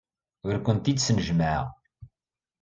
Ur kent-id-snejmaɛeɣ.